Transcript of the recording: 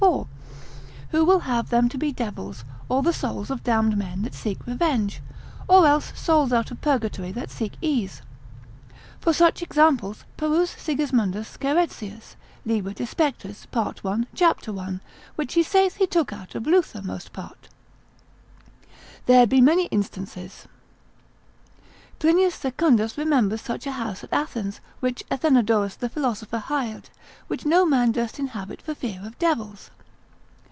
4, who will have them to be devils or the souls of damned men that seek revenge, or else souls out of purgatory that seek ease; for such examples peruse Sigismundus Scheretzius, lib. de spectris, part 1. c. 1. which he saith he took out of Luther most part; there be many instances. Plinius Secundus remembers such a house at Athens, which Athenodorus the philosopher hired, which no man durst inhabit for fear of devils.